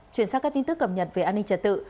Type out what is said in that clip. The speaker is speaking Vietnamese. chuyển sang các tin tức cập nhật về an ninh trật tự